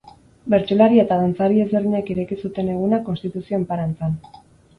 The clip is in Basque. Bertsolari eta dantzari ezberdinek ireki zuten eguna konstituzio enparantzan.